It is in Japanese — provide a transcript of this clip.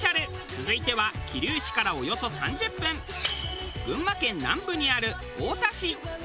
続いては桐生市からおよそ３０分群馬県南部にある太田市。